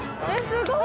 すごい。